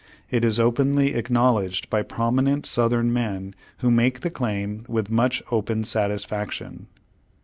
It is openly acknowledged by prominent Southern men who make the claim with much open satisfaction.